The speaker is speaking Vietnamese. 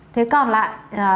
thế còn lại